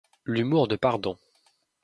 L'humour de Pardon!